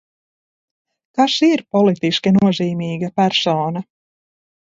Kas ir politiski nozīmīga persona?